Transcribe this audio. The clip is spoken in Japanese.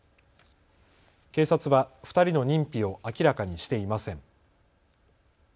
警察は２人の認否を明らかにしていません。